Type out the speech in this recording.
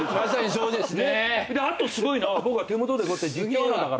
そうですね。